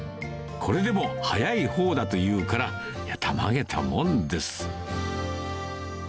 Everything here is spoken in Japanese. これでも早いほうだというから、たまげたもんです。